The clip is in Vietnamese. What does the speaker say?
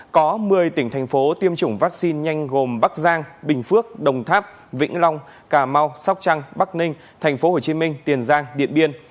có một mươi tỉnh thành phố tiêm chủng vaccine nhanh gồm bắc giang bình phước đồng tháp vĩnh long cà mau sóc trăng bắc ninh tp hcm tiền giang điện biên